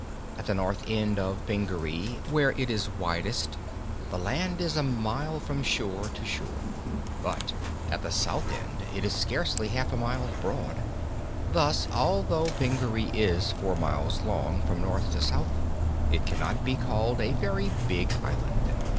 At the north end of Pingaree, where it is widest, the land is a mile from shore to shore, but at the south end it is scarcely half a mile broad; thus, although Pingaree is four miles long, from north to south, it cannot be called a very big island.